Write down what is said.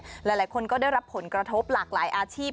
หลายคนก็ได้รับผลกระทบหลากหลายอาชีพ